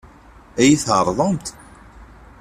Ad iyi-t-tɛeṛḍemt?